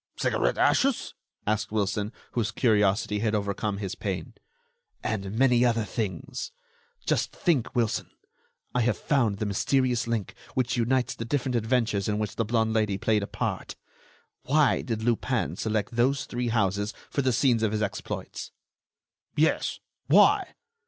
"Cigarette ashes?" asked Wilson, whose curiosity had overcome his pain. "And many other things! Just think, Wilson, I have found the mysterious link which unites the different adventures in which the blonde Lady played a part. Why did Lupin select those three houses for the scenes of his exploits?" "Yes, why?"